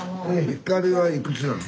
光はいくつなの？